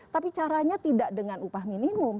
tapi caranya tidak dengan upah minimum